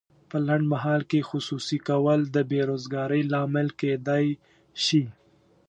په لنډمهال کې خصوصي کول د بې روزګارۍ لامل کیدای شي.